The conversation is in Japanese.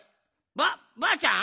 ばばあちゃん？